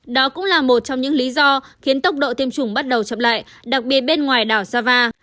đó cũng là một trong những lý do khiến tốc độ tiêm chủng bắt đầu chậm lại đặc biệt bên ngoài đảo sava